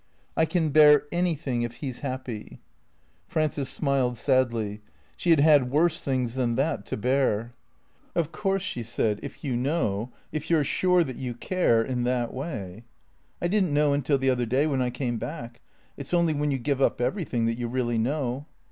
" I can bear anything if he 's happy." Frances smiled sadly. She had had worse things than that to bear. " Of course," she said, " if 3^ou know — if you 're sure that you care — in that way "" I did n't know until the other day, when I came back. It 's only when you give up everything that you really know."